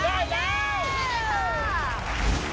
ได้แล้ว